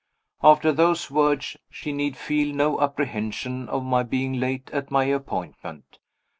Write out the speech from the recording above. After those words she need feel no apprehension of my being late at my appointment.